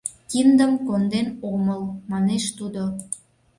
— Киндым конден омыл, — манеш тудо.